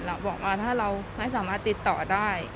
บอกว่าถ้าเราไม่สามารถติดต่อได้